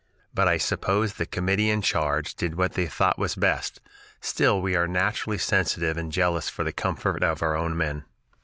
But I suppose the committee in charge did what they thought was for the best; still, we are naturally sensitive and jealous for the comfort of our own men."